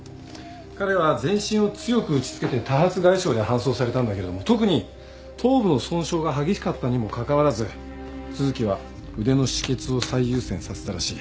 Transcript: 彼は全身を強く打ち付けて多発外傷で搬送されたんだけど特に頭部の損傷が激しかったにもかかわらず都築は腕の止血を最優先させたらしい。